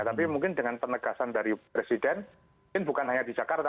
tapi mungkin dengan penegasan dari presiden mungkin bukan hanya di jakarta